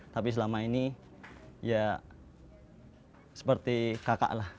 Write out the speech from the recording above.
tapi selama ini ya seperti kakak lah